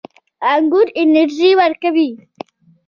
انګور انرژي ورکوي